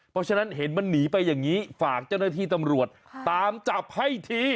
เพราะฉะนั้นเห็นมันหนีไปอย่างนี้ฝากเจ้าหน้าที่ตำรวจตามจับให้ที